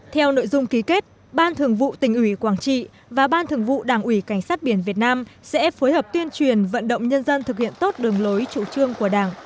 theo nội dung ký kết ban thường vụ tỉnh ủy quảng trị và ban thường vụ đảng ủy cảnh sát biển việt nam sẽ phối hợp tuyên truyền vận động nhân dân thực hiện tốt đường lối chủ trương của đảng